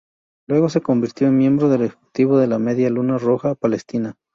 Luego se convirtió en miembro ejecutivo de la Media Luna Roja Palestina.